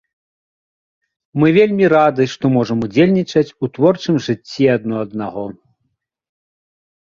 Мы вельмі рады, што можам удзельнічаць у творчым жыцці адно аднаго.